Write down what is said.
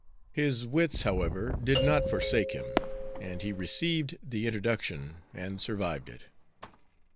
His wits, however, did not forsake him, and he received the introduction and survived it.